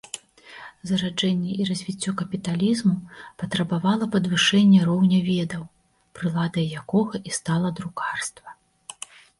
Зараджэнне і развіццё капіталізму патрабавала падвышэння роўня ведаў, прыладай якога і стала друкарства.